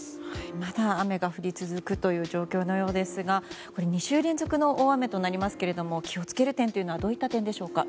まだ雨が降り続くという状況のようですが２週連続の大雨となりますけれども気をつける点はどういった点でしょうか？